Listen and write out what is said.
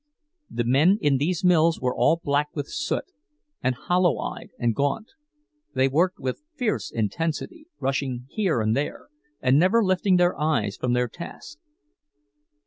The men in these mills were all black with soot, and hollow eyed and gaunt; they worked with fierce intensity, rushing here and there, and never lifting their eyes from their tasks.